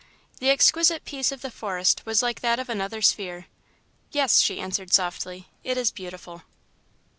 The exquisite peace of the forest was like that of another sphere. "Yes," she answered, softly, "it is beautiful."